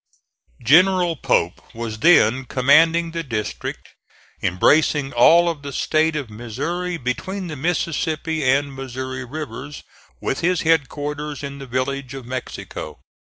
General Pope was then commanding the district embracing all of the State of Missouri between the Mississippi and Missouri rivers, with his headquarters in the village of Mexico.